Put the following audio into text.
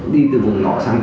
đi từ vùng nọ sang